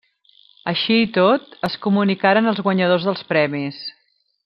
Així i tot, es comunicaren els guanyadors dels premis.